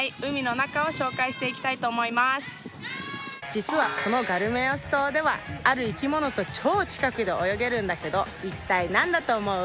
実はこのガルメアウス島ではある生き物と超近くで泳げるんだけど一体何だと思う？